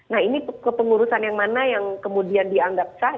nah ini kepengurusan yang mana yang kemudian dianggap sah